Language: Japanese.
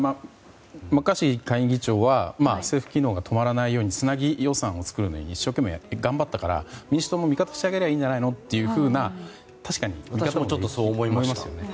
マッカーシー下院議長は政府機能が止まらないようにつなぎ予算を作るのに一生懸命頑張ったから民主党の味方をしてあげればいいんじゃないのという。